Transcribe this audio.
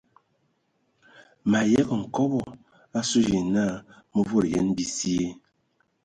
Mayəgə nkɔbɔ asu yi nə mə volo yen bisye.